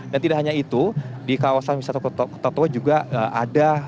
dan tidak hanya itu di kawasan wisata kota tua juga ada